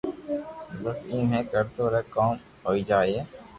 بس ايم ھي ڪرتو رھي ڪوم ھوئي جائي